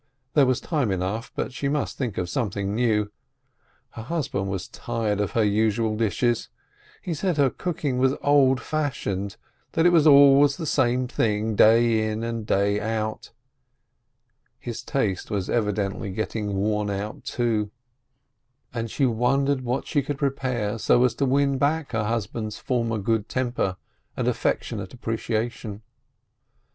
There was time enough, but she must think of some thing new: her husband was tired of her usual dishes. He said her cooking was old fashioned, that it was always the same thing, day in and day out. His taste was evidently getting worn out, too. AS THE YEARS ROLL ON 315 And she wondered what she could prepare, so as to win back her husband's former good temper and affec tionate appreciation.